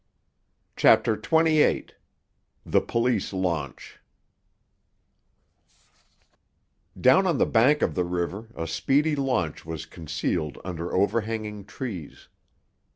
CHAPTER XXVIII—THE POLICE LAUNCH Down on the bank of the river a speedy launch was concealed under overhanging trees.